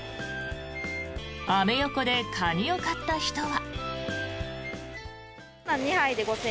アメ横でカニを買った人は。